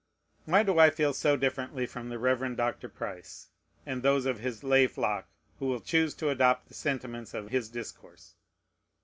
Why do I feel so differently from the Reverend Dr. Price, and those of his lay flock who will choose to adopt the sentiments of his discourse?